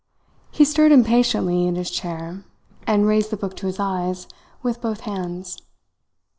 He stirred impatiently in his chair, and raised the book to his eyes with both hands.